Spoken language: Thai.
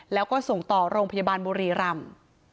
แล้วก็ส่งต่อโรงพยาบาลบุรีรำ